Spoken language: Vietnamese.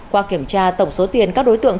qua kiểm tra tổng số tiền các đối tượng